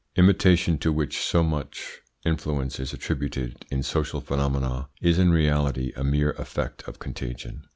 Imitation, to which so much influence is attributed in social phenomena, is in reality a mere effect of contagion.